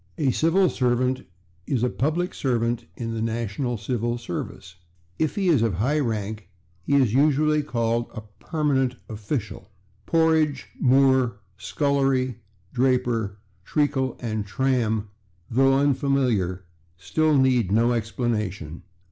A /civil servant/ is a public servant in the national civil service; if he is of high rank, he is usually called a /permanent official/. /Porridge/, /moor/, /scullery/, /draper/, /treacle/ and /tram/, though unfamiliar, still need no explanation.